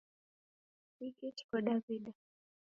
Ni kihi chiko Daw'ida?